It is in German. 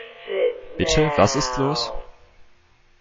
Bitte, was ist los?